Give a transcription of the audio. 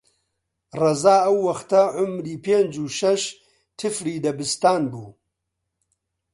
ڕەزا ئەو وەختە عومری پێنج و شەش تیفلی دەبستان بوو